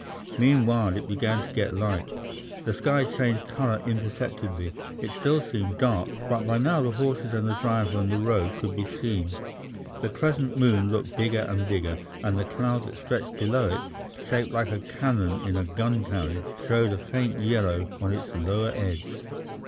Meanwhile it began to get light. The sky changed colour imperceptibly; it still seemed dark, but by now the horses and the driver and the road could be seen. The crescent moon looked bigger and bigger, and the cloud that stretched below it, shaped like a cannon in a gun carriage, showed a faint yellow on its lower edge.